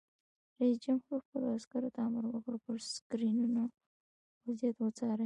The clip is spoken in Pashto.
رئیس جمهور خپلو عسکرو ته امر وکړ؛ پر سکرینونو وضعیت وڅارئ!